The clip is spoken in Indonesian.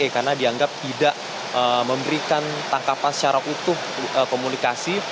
karena dianggap tidak memberikan tangkapan secara utuh komunikasi